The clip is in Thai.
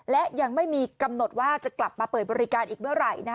และยังไม่มีกำหนดว่าจะกลับมาเปิดบริการอีกเมื่อไหร่